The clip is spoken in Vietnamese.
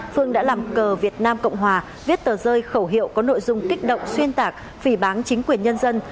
phương đã làm cờ việt nam cộng hòa viết tờ rơi khẩu hiệu có nội dung kích động xuyên tạc phỉ bán chính quyền nhân dân